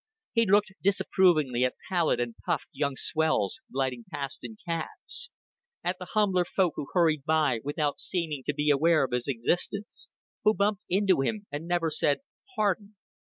He looked disapprovingly at pallid and puffed young swells gliding past in cabs; at the humbler folk who hurried by without seeming to be aware of his existence, who bumped into him and never said "Pardon!"